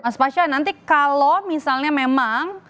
mas fasha nanti kalau misalnya memang